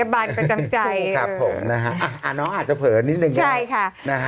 โอเคโอเคโอเค